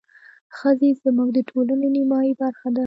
ښځې زموږ د ټولنې نيمايي برخه ده.